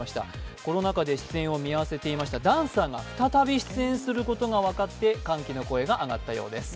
コロナ禍で出演を見合わせていたダンサーが再び出演することが分かって、歓喜の声が上がったようです。